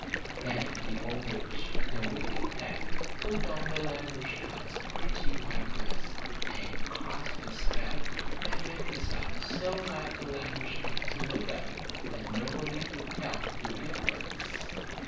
Then the old witch, the wicked hag, put on Alenoushka's pretty white dress, and cast a spell, and made herself so like Alenoushka to look at that nobody could tell the difference.